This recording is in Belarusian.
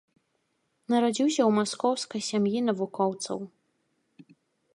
Нарадзіўся ў маскоўскай сям'і навукоўцаў.